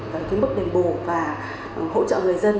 về cái mức đền bù và hỗ trợ người dân